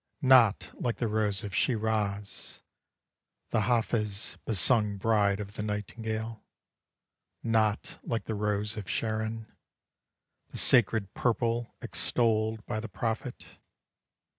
Not like the Rose of Shiraz, The Hafiz besung bride of the nightingale. Not like the Rose of Sharon, The sacred purple extolled by the prophet.